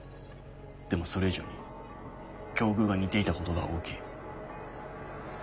でもそれ以上に境遇が似ていたことが大きい。